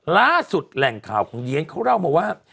แหล่งข่าวของเยียนเขาเล่ามาว่า